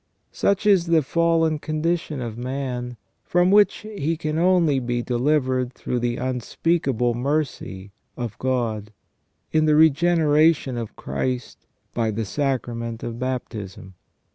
Such is the fallen condition of man, from which he can only be delivered through the unspeakable mercy of God, in the regenera tion of Christ by the sacrament of baptism.